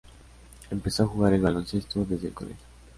Empezó a jugar al baloncesto desde el colegio.